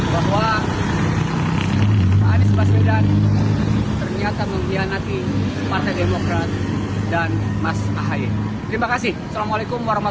bahwa anis baswedan ternyata menghianati partai demokrat dan mas ahi